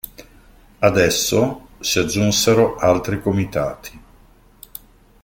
Ad esso si aggiunsero altri comitati.